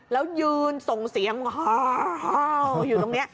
แล้วยืนส่งเสียงฮาวอยู่ตรงนี้